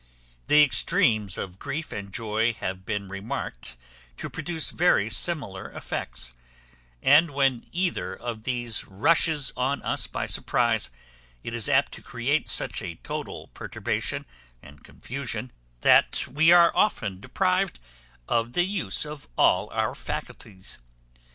The extremes of grief and joy have been remarked to produce very similar effects; and when either of these rushes on us by surprize, it is apt to create such a total perturbation and confusion, that we are often thereby deprived of the use of all our faculties.